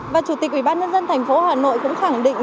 và chủ tịch ủy ban nhân dân thành phố hà nội cũng khẳng định